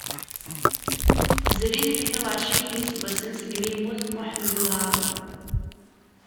Zrin tlata uɛecrin n yiseggasen segmi yemmut Muḥemmed Uharun.